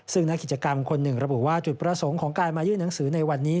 ซึ่งนักกิจกรรมคนหนึ่งระบุว่าจุดประสงค์ของการมายื่นหนังสือในวันนี้